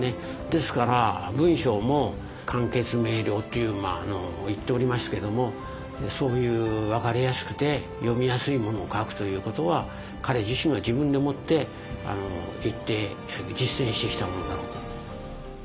ですから文章も簡潔明瞭っていう言っておりますけどもそういう分かりやすくて読みやすいものを書くということは彼自身が自分で思って言って実践してきたものだと。